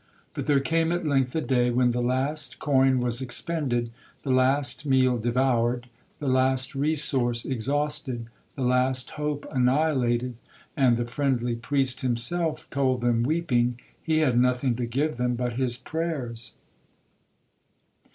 But there came at length a day, when the last coin was expended, the last meal devoured, the last resource exhausted, the last hope annihilated, and the friendly priest himself told them weeping, he had nothing to give them but his prayers.